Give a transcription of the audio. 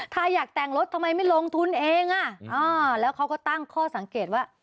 ถ้าอยากแต่งรถทำไมไม่ลงทุนเองอ่ะอ่าแล้วเขาก็ตั้งข้อสังเกตว่า